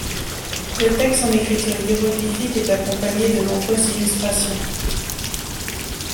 Le texte en écriture hiéroglyphique est accompagné de nombreuses illustrations.